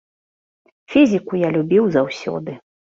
Фізіку я любіў заўсёды.